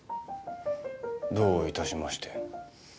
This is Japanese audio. どういたしまして。